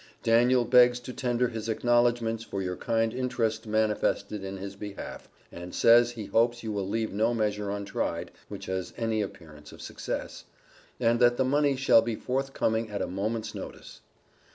Daniel begs to tender his acknowledgments for your kind interest manifested in his behalf, and says he hopes you will leave no measure untried which has any appearance of success, and that the money shall be forthcoming at a moment's notice.